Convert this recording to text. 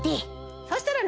そうしたらね